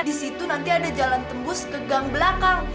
di situ nanti ada jalan tembus ke gang belakang